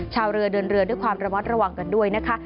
ชาวเรือเดินเรือด้วยความระมัดระวังกันด้วยนะคะ